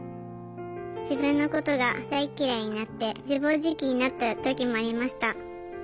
自分のことが大っ嫌いになって自暴自棄になった時もありました。